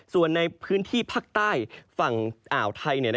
ส่วนในพื้นที่ภาคใต้ฝั่งอ่าวไทย